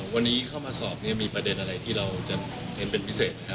วันนี้เข้ามาสอบมีประเด็นอะไรที่เราจะเห็นเป็นพิเศษ